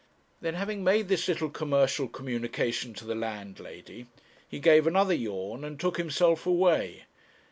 Then, having made this little commercial communication to the landlady, he gave another yawn, and took himself away.